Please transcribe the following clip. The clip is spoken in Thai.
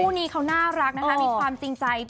คู่นี้เขาน่ารักนะคะมีความจริงใจ